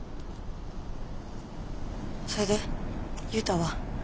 それで雄太は？